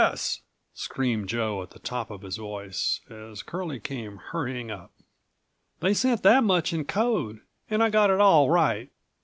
S.," screamed Joe at the top of his voice, as Curlie came hurrying up. "They sent that much in code and I got it all right.